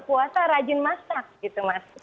tapi saya rasa kalau puasa rajin masak gitu mas